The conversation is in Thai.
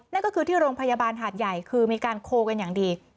นั่นก็คือที่โรงพยาบาลหาดใหญ่คือมีการโคลกันอย่างดี